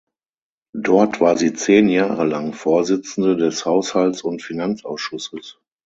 Dort war sie zehn Jahre lang Vorsitzende des Haushalts- und Finanzausschusses.